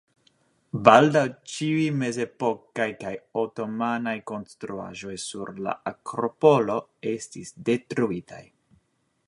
Baldaŭ ĉiuj mezepokaj kaj otomanaj konstruaĵoj sur la Akropolo estis detruitaj.